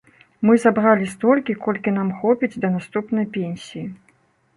Мы забралі столькі, колькі нам хопіць да наступнай пенсіі.